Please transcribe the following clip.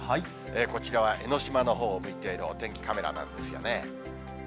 こちらは江の島のほうを向いているお天気カメラなんですよね。